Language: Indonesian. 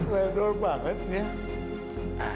terlalu terlalu terlalu terlalu terlalu terlalu terlalu